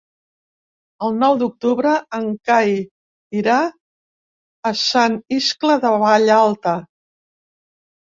El nou d'octubre en Cai irà a Sant Iscle de Vallalta.